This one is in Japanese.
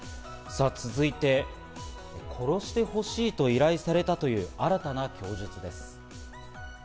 続いて、殺してほしいと依頼されたという新たな供述です。